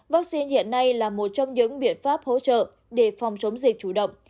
vắc xin hiện nay là một trong những biện pháp hỗ trợ để phòng chống dịch chủ động